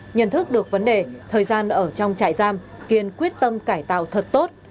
nhận thức được vấn đề thời gian ở trong trại giam kiên quyết tâm cải tạo thật tốt